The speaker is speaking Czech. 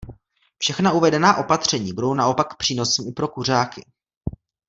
Všechna uvedená opatření budou naopak přínosem i pro kuřáky.